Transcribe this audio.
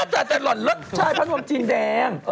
ใช่ผ้านวมจินแดง